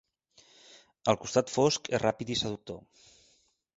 El costat fosc és ràpid i seductor.